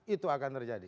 itu akan terjadi